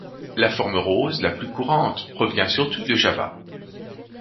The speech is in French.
La forme rose, la plus courante, provient surtout de Java.